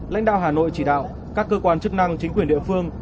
lãnh đạo hà nội chỉ đạo các cơ quan chức năng chính quyền địa phương